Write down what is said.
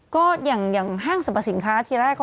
ก็อย่างห้างสรรพสินค้าทีแรก